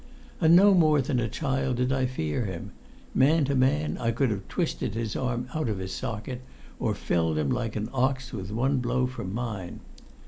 And no more than a child did I fear him; man to man, I could have twisted his arm out of its socket, or felled him like an ox with one blow from mine.